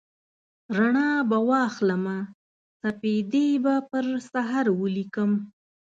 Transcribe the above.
رڼا به واخلمه سپیدې به پر سحر ولیکم